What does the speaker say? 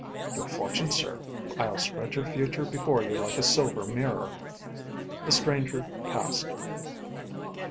"Your fortune, sir. I'll spread your future before you like a silver mirror ..." The stranger passed.